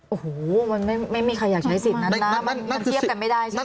โอ้โหมันไม่มีใครอยากใช้สิทธิ์นั้นนะมันเทียบกันไม่ได้ใช่ไหม